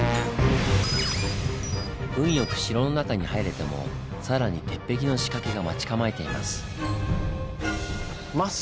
運良く城の中に入れても更に鉄壁の仕掛けが待ち構えています。